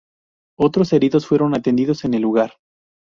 Otros heridos fueron atendidos en el lugar.